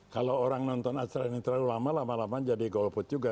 kalau orang nonton astra ini terlalu lama lama lama jadi gold put juga